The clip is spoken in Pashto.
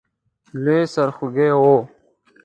لوی سرخوږی وو.